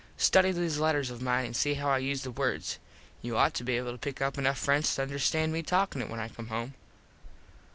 Study these letters of mine an see how I use the words. You ought to be able to pick up enough French to understand me talkin it when I come home.